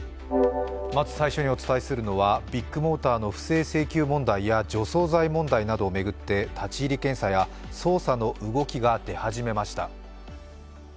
まず最初にお伝えするのはビッグモーターの不正請求問題や除草剤問題などを巡って立ち入り検査や捜査の動きが出始めました。